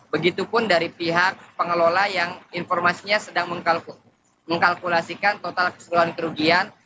begitupun dari pihak pengelola yang informasinya sedang mengkalkulasikan total keseluruhan kerugian